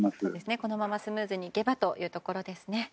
このままスムーズにいけばというところですね。